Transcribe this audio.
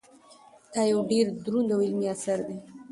دا یو ډېر دروند او علمي اثر دی.